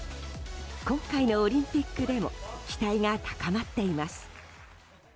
今回のオリンピックでも期待が高まっています。